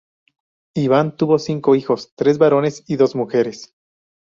Iván tuvo cinco hijos, tres varones y dos mujeres.